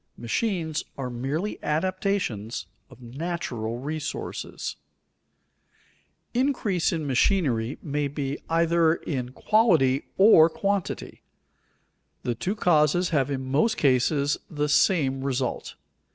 Machines are merely adaptations of natural resources. [Sidenote: Bettering quality of agents] Increase in machinery may be either in quality or quantity. The two causes have in most cases the same result.